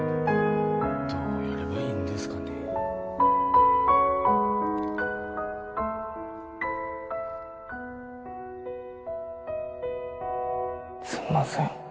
どうやればいいんですかねすんません